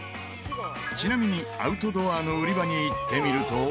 ちなみにアウトドアの売り場に行ってみると。